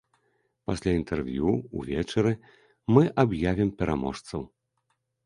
Пасля інтэрв'ю, увечары, мы аб'явім пераможцаў!